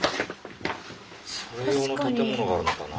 それ用の建物があるのかな。